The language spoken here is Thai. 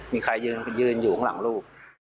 มีใครยืนอยู่ข้างหลังลูก